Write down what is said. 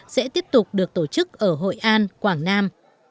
sẽ tiếp tục được tổ chức ở hội an quảng nam